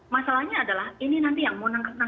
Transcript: masalahnya adalah ini nanti yang mau menangkap orang